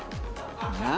何？